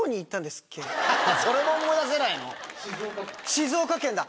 静岡県だ！